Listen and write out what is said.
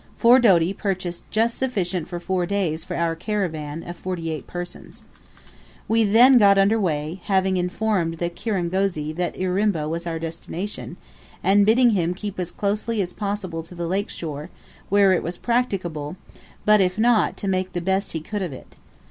Four doti purchased just sufficient for four days for our caravan of forty eight persons. We then got under weigh, having informed the kirangozi that Urimba was our destination, and bidding him keep as closely as possible to the lake shore, where it was practicable, but if not, to make the best he could of it.